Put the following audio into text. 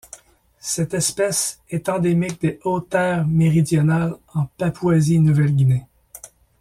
Cette espèce est endémique des Hautes-Terres méridionales en Papouasie-Nouvelle-Guinée.